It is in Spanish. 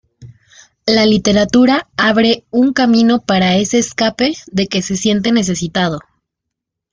La literatura abre un camino para ese escape de que se siente necesitado.